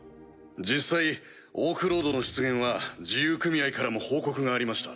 実際オークロードの出現は自由組合からも報告がありました。